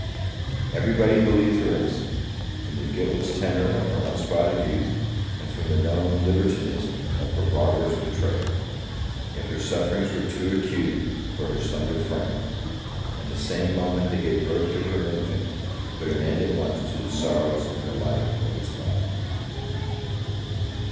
Every body believed her innocent, from the guiltless tenor of her unspotted youth, and from the known libertinism of her barbarous betrayer. Yet her sufferings were too acute for her slender frame; and the same moment that gave birth to her infant, put an end at once to the sorrows and the life of its mother.